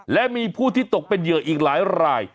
และมีผู้ที่ตกเป็นเหยื่ออีกหลายราย